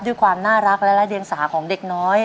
ด้วยความน่ารักและเดียงสาของเด็กน้อย